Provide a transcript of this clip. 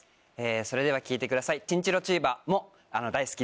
それでは聴いてください。